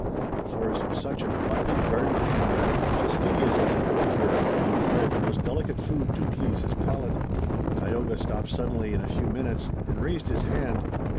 The forest was such an abundant garden to him that, fastidious as an epicure, he required the most delicate food to please his palate. Tayoga stopped suddenly in a few minutes and raised his hand.